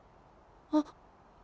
あっ。